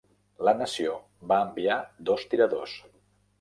La nació va enviar dos tiradors.